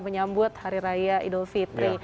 menyambut hari raya idul fitri